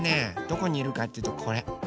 どこにいるかっていうとこれ。